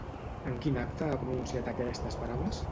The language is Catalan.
En quin acte ha pronunciat aquestes paraules?